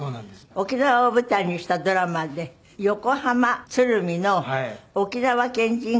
沖縄を舞台にしたドラマで横浜鶴見の沖縄県人会の会長を演じた。